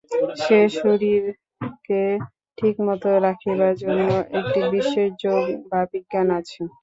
সে-শরীরকে ঠিকভাবে রাখিবার জন্য একটি বিশেষ যোগ বা বিজ্ঞান আছে।